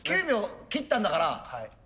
９秒切ったんだから。